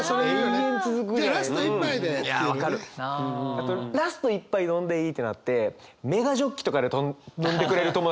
あとラスト一杯飲んでいいってなってメガジョッキとかで頼んでくれる友達